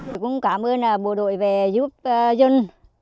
tôi cũng cảm ơn bộ đội về giúp dân